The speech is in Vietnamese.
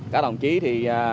các đồng chí thì